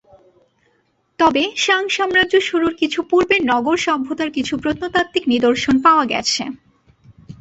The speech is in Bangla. তবে শাং সাম্রাজ্য শুরুর কিছু পূর্বের নগর সভ্যতার কিছু প্রত্নতাত্ত্বিক নিদর্শন পাওয়া গেছে।